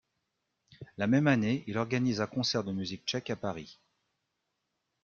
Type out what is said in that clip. La même année, il organise un concert de musique tchèque à Paris.